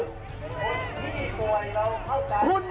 คนที่ป่วยเราเข้าใจ